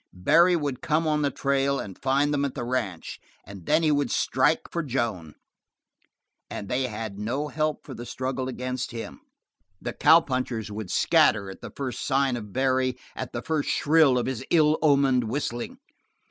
Barry would come on the trail and find them at the ranch, and then he would strike for Joan. And they had no help for the struggle against him. The cowpunchers would scatter at the first sign of Barry, at the first shrill of his ill omened whistling.